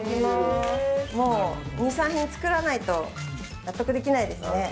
もう２、３品作らないと納得できないですね。